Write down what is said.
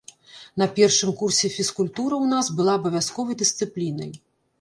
На першым курсе фізкультура ў нас была абавязковай дысцыплінай.